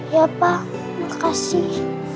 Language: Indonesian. ya pak makasih